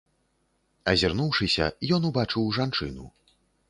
Азірнуўшыся, ён убачыў жанчыну.